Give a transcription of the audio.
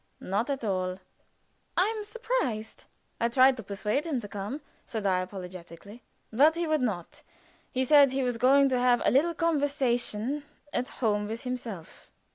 "Not at all?" "I am surprised." "I tried to persuade him to come," said I, apologetically. "But he would not. He said he was going to have a little conversation at home with himself."